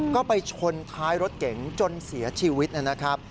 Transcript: ก็ไปชนท้ายรถเก๋งจนเสียชีวิตนะครับ